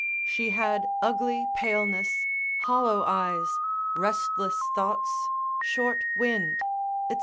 she had ugly paleness, hollow eyes, restless thoughts, short wind, &c.